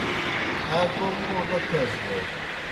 آ کوْم موں نہ تھیس بوْ